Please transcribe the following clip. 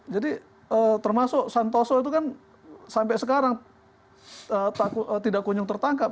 jadi termasuk santoso itu kan sampai sekarang tidak kunjung tertangkap